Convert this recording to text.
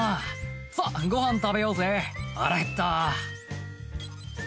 「さぁごはん食べようぜ腹へった」